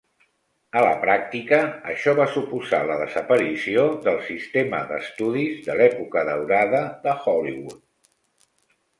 A la pràctica, això va suposar la desaparició del sistema d'estudis de l'època daurada de Hollywood.